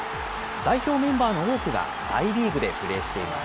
代表メンバーの多くが大リーグでプレーしています。